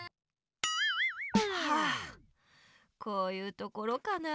はぁこういうところかな。